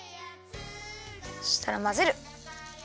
そしたらまぜる！